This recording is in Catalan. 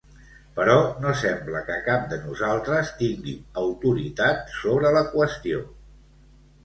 Però no sembla que cap de nosaltres tingui autoritat sobre la qüestió.